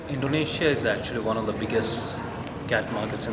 indonesia adalah salah satu dari panggilan kucing terbesar di dunia